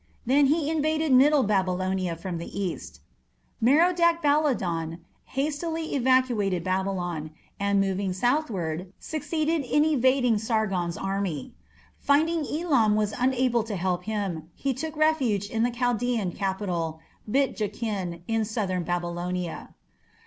Then he invaded middle Babylonia from the east. Merodach Baladan hastily evacuated Babylon, and, moving southward, succeeded in evading Sargon's army. Finding Elam was unable to help him, he took refuge in the Chaldaean capital, Bit Jakin, in southern Babylonia.